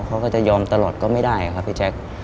เขาก็จะยอมตลอดก็ไม่ได้ครับพี่แจ๊ค